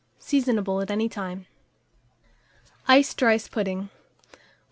Seasonable at any time. ICED RICE PUDDING. 1354.